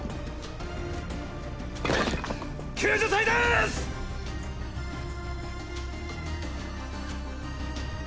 救助隊ですッ。